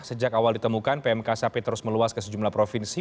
sejak awal ditemukan pmk sapi terus meluas ke sejumlah provinsi